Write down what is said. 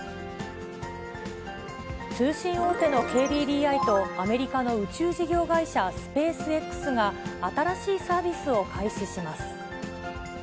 通信大手のＫＤＤＩと、アメリカの宇宙事業会社スペースＸが、新しいサービスを開始します。